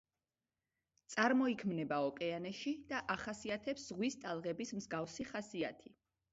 წარმოიქმნება ოკეანეში და ახასიათებს ზღვის ტალღების მსგავსი ხასიათი.